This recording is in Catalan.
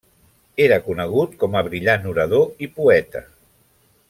Era conegut com a brillant orador i poeta.